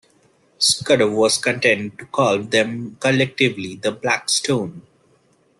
Scudder was content to call them collectively the “Black Stone”.